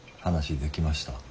話できました？